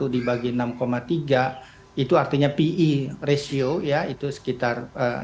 dibagi enam tiga itu artinya pe ratio ya itu sekitar enam ratus